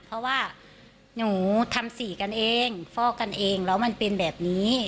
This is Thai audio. เพราะว่าหนูทำสีกันเองฟอกกันเองแล้วมันเป็นแบบนี้